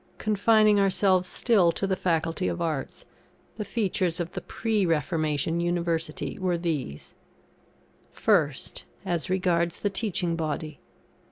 Confining ourselves still to the Faculty of Arts, the features of the Pre Reformation University were these: First, as regards the teaching Body.